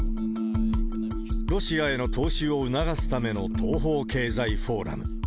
ロシアへの投資を促すための東方経済フォーラム。